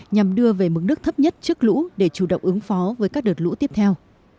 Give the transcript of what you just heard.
nhằm đưa về mức nước thấp nhất trước lũ để chủ động ứng phó với các đợt lũ tiếp theo